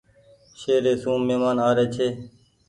شهري سون مهمان آري ڇي۔